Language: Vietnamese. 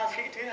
còn tôi thì biết